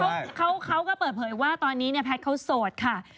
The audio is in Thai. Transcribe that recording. แพทย์เขาก็เปิดเผยว่าตอนนี้แพทย์เขาโสดค่ะ